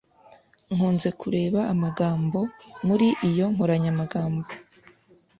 nkunze kureba amagambo muri iyo nkoranyamagambo